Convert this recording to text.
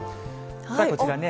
こちらね。